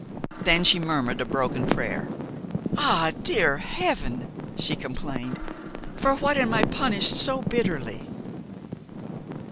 Then she murmured a broken prayer. "Ah, dear Heaven!" she complained, "for what am I punished so bitterly?"